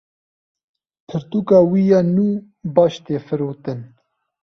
Pirtûka wî ya nû baş tê firotin.